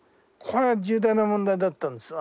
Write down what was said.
これは重大な問題だったんです。